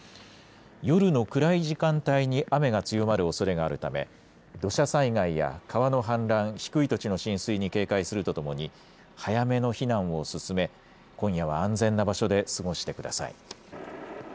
夜の暗い時間帯に雨が強まるおそれがあるため、土砂災害や川の氾濫、低い土地の浸水に警戒するとともに、早めの避難を進め、今夜は安全な場所で過ごしてください。